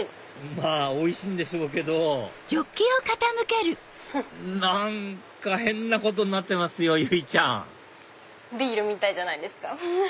まぁおいしいんでしょうけど何か変なことになってますよ由依ちゃんビールみたいじゃないですか。